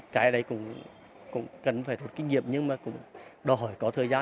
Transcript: cái đấy cũng cần phải rút kinh nghiệm nhưng mà cũng đòi hỏi có thời gian